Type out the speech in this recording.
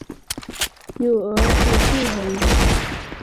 有儿子伏暅。